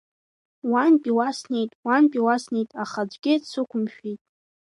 Уантәи уа снеит, уантәи уа снеит, аха аӡәгьы дсықәмшәеит…